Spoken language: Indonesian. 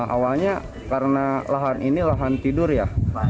awalnya karena lahan ini lahan tidur ya